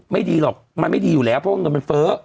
ไม่ดีหรอกมันไม่ดีอยู่แล้วเพราะว่าเงินมันเฟ้อ